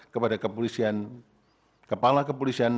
kepada kepala kepolisian